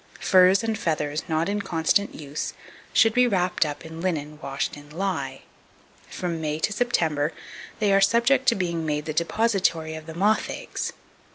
Furs and feathers not in constant use should be wrapped up in linen washed in lye. From May to September they are subject to being made the depositary of the moth eggs.